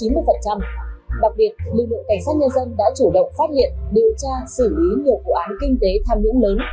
đặc biệt lực lượng cảnh sát nhân dân đã chủ động phát hiện điều tra xử lý nhiều vụ án kinh tế tham nhũng lớn